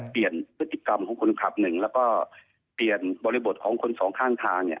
เปลี่ยนพฤติกรรมของคนขับหนึ่งแล้วก็เปลี่ยนบริบทของคนสองข้างทางเนี่ย